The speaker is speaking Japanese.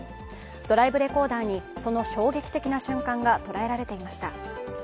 ドライブレコーダーにその衝撃的な瞬間が捉えられていました。